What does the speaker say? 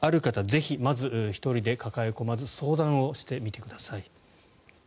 ぜひ、まず１人で抱え込まず相談をしてみてください。